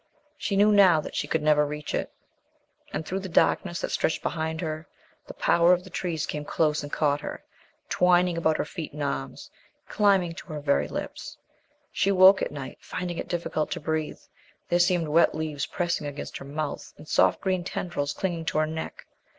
She knew now that she could never reach it. And through the darkness that stretched behind, the power of the trees came close and caught her, twining about her feet and arms, climbing to her very lips. She woke at night, finding it difficult to breathe. There seemed wet leaves pressing against her mouth, and soft green tendrils clinging to her neck.